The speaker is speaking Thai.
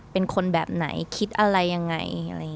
เป็นคนแบบไหนคิดอะไรยังไง